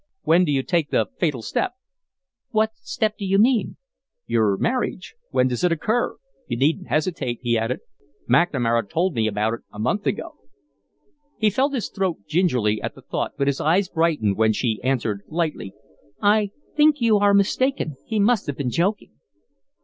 "When do you take the fatal step?" "What step do you mean?" "Your marriage. When does it occur? You needn't hesitate," he added. "McNamara told we about it a month ago." He felt his throat gingerly at the thought, but his eyes brightened when she answered, lightly: "I think you are mistaken. He must have been joking."